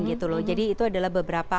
gitu loh jadi itu adalah beberapa